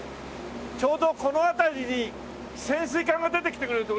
ちょうどこの辺りに潜水艦が出てきてくれると嬉しいですよね。